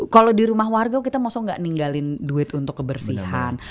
kalau di rumah warga kita maksudnya nggak ninggalin duit untuk kebersihan